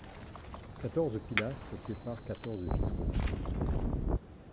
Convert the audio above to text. Quatorze pilastres séparent quatorze vitraux.